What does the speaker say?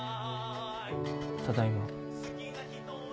ただいま。